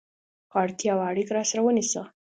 که اړتیا وه، اړیکه راسره ونیسه!